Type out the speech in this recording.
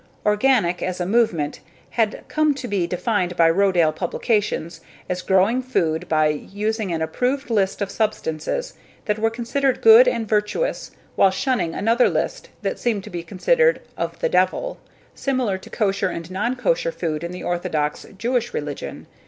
"Organic" as a movement had come to be defined by Rodale publications as growing food by using an approved list of substances that were considered good and virtuous while shunning another list that seemed to be considered 'of the devil,' similar to kosher and non kosher food in the orthodox Jewish religion.